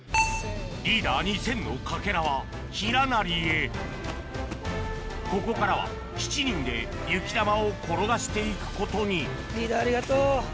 リーダー２０００のかけらはヒラナリへここからは７人で雪玉を転がしていくことにリーダーありがとう。